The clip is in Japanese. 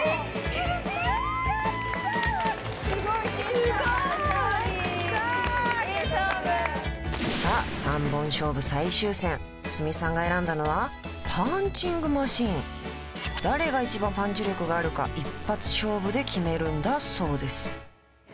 勝利やったありがとうございますさあ３本勝負最終戦鷲見さんが選んだのはパンチングマシーン誰が一番パンチ力があるか１発勝負で決めるんだそうです